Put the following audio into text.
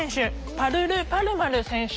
パルル・パルマル選手